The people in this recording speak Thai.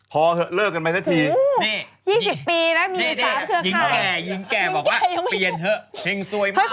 เพลงสวยมาก